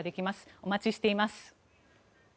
お待ちしています。